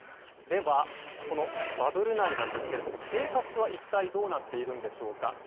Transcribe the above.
では、このバブル内ですけれども生活は一体どうなっているんでしょうか。